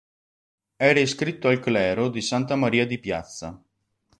Era iscritto al clero di Santa Maria di Piazza.